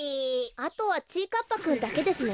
あとはちぃかっぱくんだけですね。